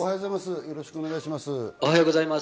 よろしくお願いします。